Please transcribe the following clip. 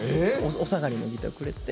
お下がりのギターをくれて。